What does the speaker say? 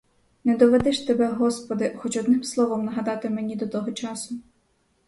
Не доведи ж тебе господи хоч одним словом нагадати мені до того часу!